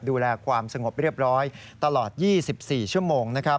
ดูแลความสงบเรียบร้อยตลอด๒๔ชั่วโมง